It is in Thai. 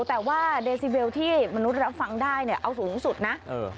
แต่ว่าเดซิเบลที่มนุษย์รับฟังได้เอาสูงสุดนะ